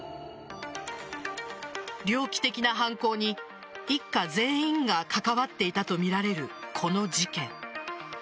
猟奇的な犯行に、一家全員が関わっていたとみられるこの事件。